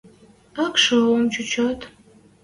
Ак шо ом чучат?